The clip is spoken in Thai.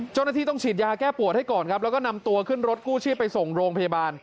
เจ้าหน้าที่ต้องฉีดยาแก้ปวดให้ก่อนครับแล้วก็นำตัวขึ้นรถกู้ชีพไปส่งโรงพยาบาล